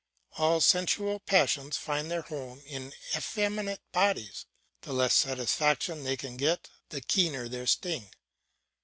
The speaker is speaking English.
All sensual passions find their home in effeminate bodies; the less satisfaction they can get the keener their sting.